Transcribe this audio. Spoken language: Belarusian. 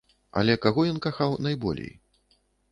Але каго ён кахаў найболей?